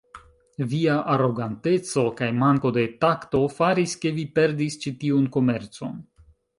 Via aroganteco kaj manko de takto faris, ke vi perdis ĉi tiun komercon.